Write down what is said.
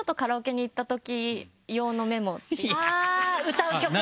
歌う曲の？